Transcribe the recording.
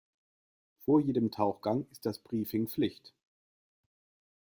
Vor jedem Tauchgang ist das Briefing Pflicht.